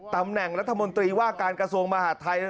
ตำแหน่งรัฐมนตรีว่าการกระทรวงมหาดไทย